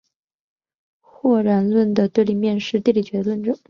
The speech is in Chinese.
或然论的对立面是地理决定论。